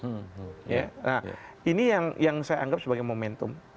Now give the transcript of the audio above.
nah ini yang saya anggap sebagai momentum